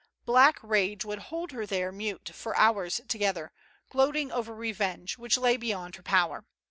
Black rage would hold her there mute for hours together, gloating over revenge, which lay beyond her power.